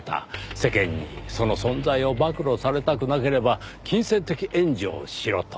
世間にその存在を暴露されたくなければ金銭的援助をしろと。